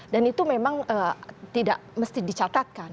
dan itu memang tidak mesti dicatatkan